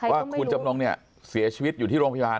ว่าคุณจำนงเนี่ยเสียชีวิตอยู่ที่โรงพยาบาล